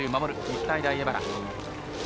日体大荏原。